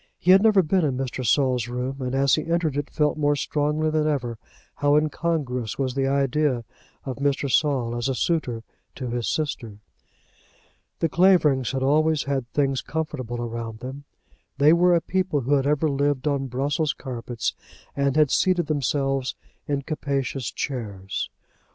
He had never before been in Mr. Saul's room, and as he entered it, felt more strongly than ever how incongruous was the idea of Mr. Saul as a suitor to his sister. The Claverings had always had things comfortable around them. They were a people who had ever lived on Brussels carpets, and had seated themselves in capacious chairs.